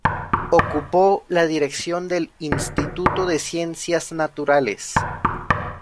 Ocupó la dirección del Instituto de Ciencias Naturales.